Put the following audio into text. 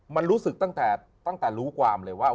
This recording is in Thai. มันรู้สึกตั้งแต่รู้ความเลยว่า